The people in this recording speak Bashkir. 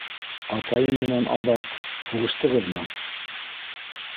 — Атайым менән аҙаҡ һуғыштығыҙмы?